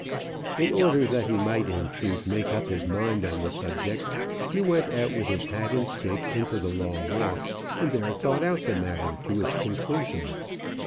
In order that he might in truth make up his mind on the subject, he went out with his hat and stick into the long walk, and there thought out the matter to its conclusion.